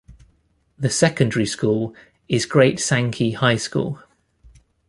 The secondary school is Great Sankey High School.